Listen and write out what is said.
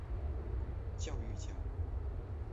教育家。